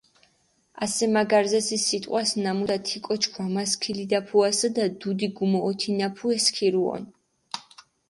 ასე მა გარზე სი სიტყვას, ნამუდა თი კოჩქ ვამასქილიდაფუასჷდა, დუდი გჷმოჸოთინაფუე სქირუონ.